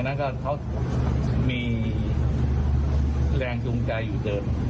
ฟังหน่อยมีแรงดุงใจอยู่เดิม